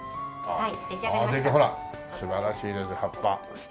はい。